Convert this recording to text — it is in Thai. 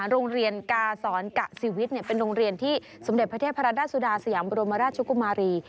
โรงเรียนกาศรกะสิวิทย์เป็นโรงเรียนที่สมเด็จพระเทพรัดดาสุดาสยามบรมราชกุมารี